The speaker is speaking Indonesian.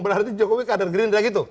berarti jokowi kader gerindra gitu